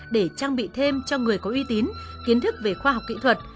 để trang bị thêm cho người có uy tín kiến thức về khoa học kỹ thuật